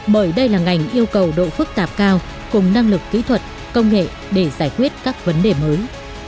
bởi đây là ngành yêu cầu độ phức tạp cao cùng năng lực kỹ thuật công nghệ để giải quyết các vấn đề mới